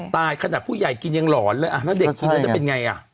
ตายแขนกผู้ใหญ่กินอีกที่เนี่ยหลอนเลยอ่ะแล้วเด็กกินอีกที่ไหนมันเป็นไงอ่ะ